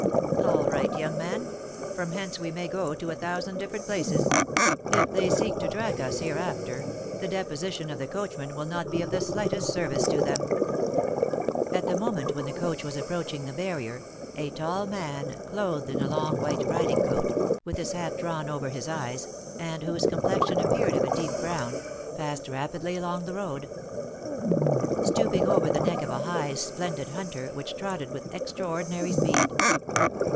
"All right, young man; from hence we may go to a thousand different places. If they seek to track us hereafter, the deposition of the coachman will not be of the slightest service to them." At the moment when the coach was approaching the barrier, a tall man, clothed in a long white riding coat, with his hat drawn over his eyes, and whose complexion appeared of a deep brown, passed rapidly along the road, stooping over the neck of a high, splendid hunter, which trotted with extraordinary speed.